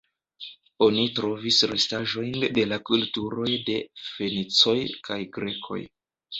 Oni trovis restaĵojn de la kulturoj de fenicoj kaj grekoj.